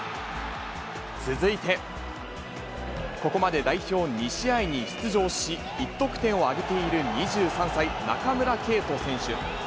続いて、ここまで代表２試合に出場し、１得点挙げている２３歳、中村敬斗選手。